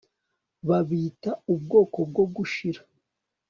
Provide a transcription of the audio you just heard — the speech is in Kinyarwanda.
babita ubwoko bwo gushira